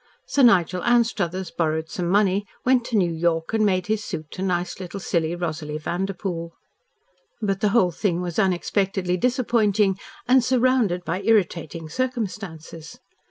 Sir Nigel Anstruthers borrowed some money, went to New York and made his suit to nice little silly Rosalie Vanderpoel. But the whole thing was unexpectedly disappointing and surrounded by irritating circumstances.